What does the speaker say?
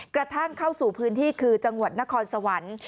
กระทั่งเข้าสู่พื้นที่คือจังหวัดนครสวรรค์